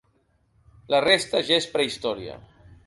La resta ja és prehistòria.